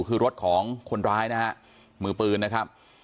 คือรถของคนร้ายนะฮะมือปืนนะครับ